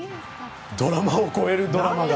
ドラマを超えるドラマ。